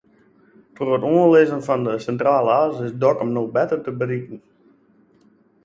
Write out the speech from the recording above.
Troch it oanlizzen fan de Sintrale As is Dokkum no better te berikken.